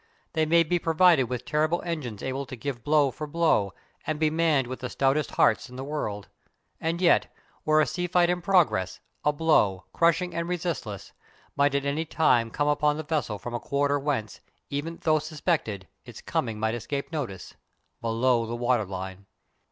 They may be provided with terrible engines able to give blow for blow, and be manned with the stoutest hearts in the world. And yet, were a sea fight in progress, a blow, crushing and resistless, might at any time come upon the vessel from a quarter whence, even though suspected, its coming might escape notice below the waterline.